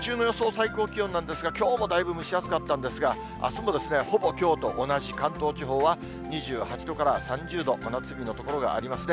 最高気温なんですが、きょうもだいぶ蒸し暑かったんですが、あすもほぼきょうと同じ、関東地方は２８度から３０度、真夏日の所がありますね。